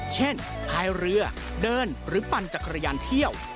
พายเรือเดินหรือปั่นจักรยานเที่ยว